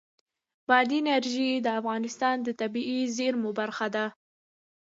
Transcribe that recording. بادي انرژي د افغانستان د طبیعي زیرمو برخه ده.